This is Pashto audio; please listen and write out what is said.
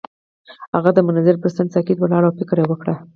هغه د منظر پر څنډه ساکت ولاړ او فکر وکړ.